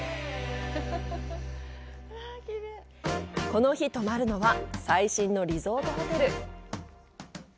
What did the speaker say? この日泊まるのは最新のリゾートホテル。